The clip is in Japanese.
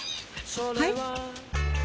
はい？